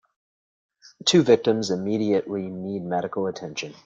Two victims immediately need medical attention.